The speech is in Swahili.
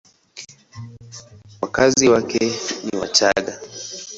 Wakazi wake ni Wachagga.